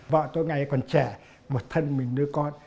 vợ tôi ngày còn trẻ một thân mình đưa con